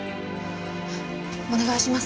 お願いします